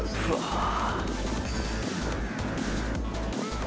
ああ。